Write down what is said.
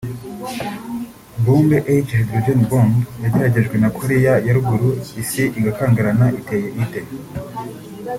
Bombe H /Hydrogen bomb yageragejwe na Koreya ya ruguru isi igakangarana iteye ite